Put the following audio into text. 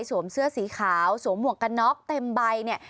เสื้อสีขาวสวมหมวกกันน็อกเต็มใบเนี่ย